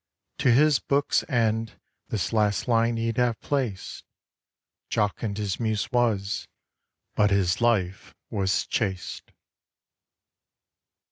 To his book's end this last line he'd have placed: Jocund his Muse was, but his Life was chaste.